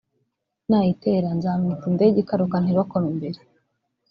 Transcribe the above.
nayitera nzamwita indege ikaruka ntibakome imbere